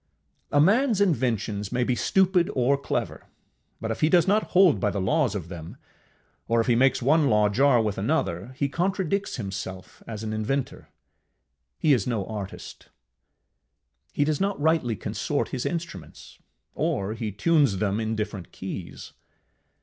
A manŌĆÖs inventions may be stupid or clever, but if he do not hold by the laws of them, or if he make one law jar with another, he contradicts himself as an inventor, he is no artist. He does not rightly consort his instruments, or he tunes them in different keys.